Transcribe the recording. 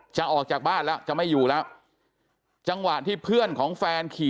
จะออกจากบ้านแล้วจะไม่อยู่แล้วจังหวะที่เพื่อนของแฟนขี่